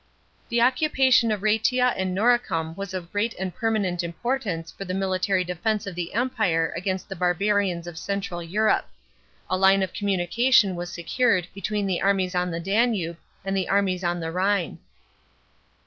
The occupation of Rfetia and Noricum was of great and perma nent importance for the military defence of the Empire against the barbarians of central Europe. A line uf communication was secured between the armies on the Danube and the armies on the Rhine.